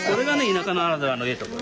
田舎ならではのええところ。